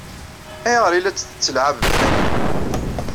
Ayɣer i la tt-tettlɛabemt akka?